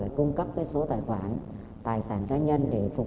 phải cung cấp cái số tài khoản tài sản cá nhân để phục